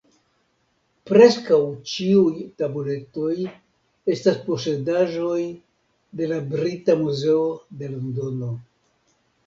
Preskaŭ ĉiuj tabuletoj estas posedaĵoj de la Brita Muzeo de Londono.